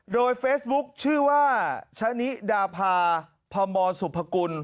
โดยเฟซบุ๊คชื่อว่าชะนิดาภาพมสุภกุล